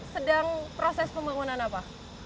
sedang proses pembangunan apa